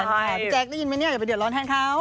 พี่แจ๊คได้ยินไหมเนี่ยอย่าไปเดือดร้อนแทนเขา